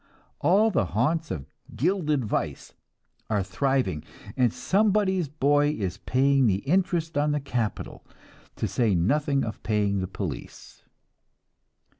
All the haunts of "gilded vice" are thriving, and somebody's boy is paying the interest on the capital, to say nothing of paying the police.